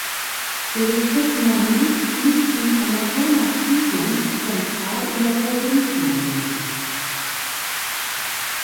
Der Distrikt Manu liegt im Amazonastiefland zentral in der Provinz Manu.